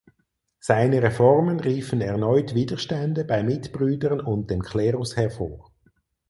Seine Reformen riefen erneut Widerstände bei Mitbrüdern und dem Klerus hervor.